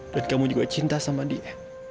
dan kamu juga cinta sama dia